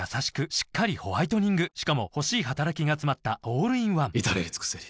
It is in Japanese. しっかりホワイトニングしかも欲しい働きがつまったオールインワン至れり尽せり